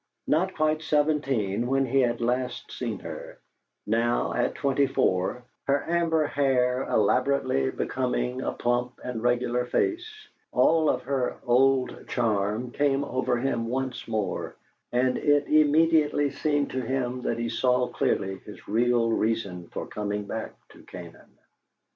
Not quite seventeen when he had last seen her, now, at twenty four, her amber hair elaborately becoming a plump and regular face, all of her old charm came over him once more, and it immediately seemed to him that he saw clearly his real reason for coming back to Canaan.